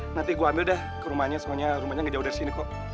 nanti gue ambil dah ke rumahnya soalnya rumahnya ngejauh dari sini kok